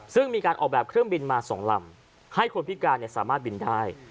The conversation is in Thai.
ซึ่งมีการออกแบบเครื่องบินมา๒ลำให้คนพิการสามารถบินได้